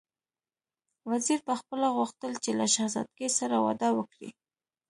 وزیر پخپله غوښتل چې له شهزادګۍ سره واده وکړي.